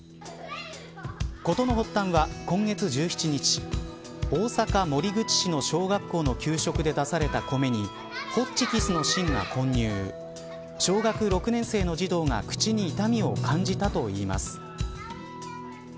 事の発端は今月１７日大阪、守口市の小学校の給食で出された米にホッチキスの芯が混入小学６年生の児童が口に痛みを感じたといいます。